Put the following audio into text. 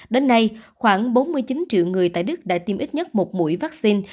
đến nay khoảng bốn mươi chín triệu người tại đức đã tiêm ít nhất một mũi vắc xin